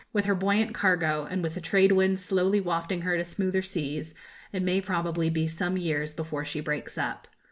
With her buoyant cargo, and with the trade winds slowly wafting her to smoother seas, it may probably be some years before she breaks up.